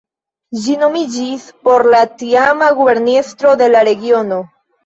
Ĝi nomiĝis por la tiama guberniestro de la regiono.